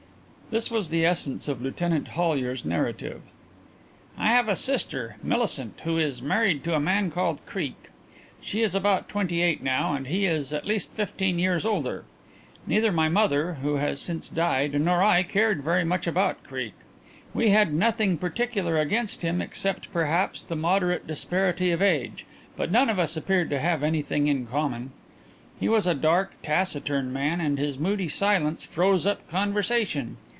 This was the essence of Lieutenant Hollyer's narrative: "I have a sister, Millicent, who is married to a man called Creake. She is about twenty eight now and he is at least fifteen years older. Neither my mother (who has since died), nor I, cared very much about Creake. We had nothing particular against him, except, perhaps, the moderate disparity of age, but none of us appeared to have anything in common. He was a dark, taciturn man, and his moody silence froze up conversation.